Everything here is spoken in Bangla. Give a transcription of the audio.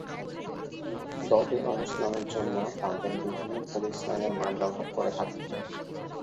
দলটি অনুশীলনের জন্য তাদের বিভিন্ন পুলিশ লাইনের মাঠ ব্যবহার করে থাকে।